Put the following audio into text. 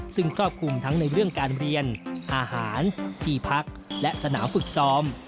ซึ่งครอบคลุมทั้งในเรื่องการเรียนอาหารที่พักและสนามฝึกซ้อม